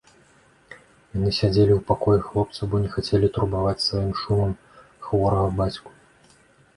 Яны сядзелі ў пакоі хлопцаў, бо не хацелі турбаваць сваім шумам хворага бацьку.